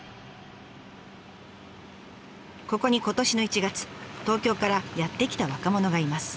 ここに今年の１月東京からやって来た若者がいます。